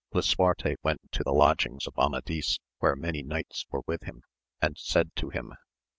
Lisuarte went to the lodgings of Amadis where many knights were with him, and said to him.